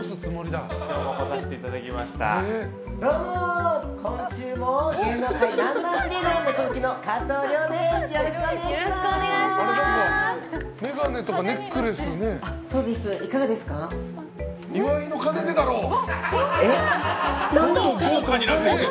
よろしくお願いします。